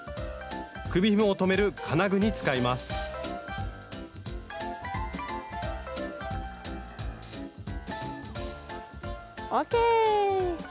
首ひもを留める金具に使いますＯＫ！